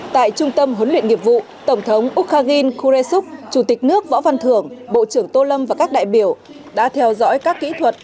tại trung tâm huấn luyện nghiệp vụ tổng thống úc khang in khure súc chủ tịch nước võ văn thưởng bộ trưởng tô lâm và các đại biểu đã theo dõi các kỹ thuật